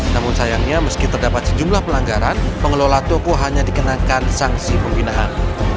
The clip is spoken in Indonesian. namun sayangnya meski terdapat sejumlah pelanggaran pengelola toko hanya dikenakan sanksi pembinaan